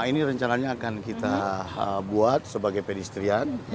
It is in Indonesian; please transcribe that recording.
ini rencananya akan kita buat sebagai pedestrian